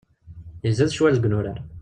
Izad ccwal deg yinurar.